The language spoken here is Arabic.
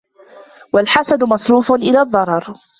وَالْحَسَدُ مَصْرُوفٌ إلَى الضَّرَرِ